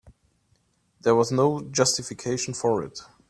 There was no justification for it.